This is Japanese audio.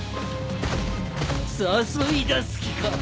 誘い出す気か。